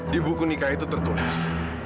di buku nikah itu tertulis